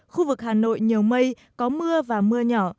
khu vực hà nội nhiều mây có mưa và mưa nhỏ